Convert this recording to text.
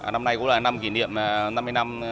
năm nay cũng là năm kỷ niệm năm mươi năm